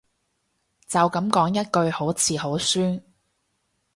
就噉講一句好似好酸